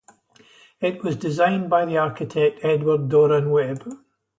It was designed by the architect Edward Doran Webb.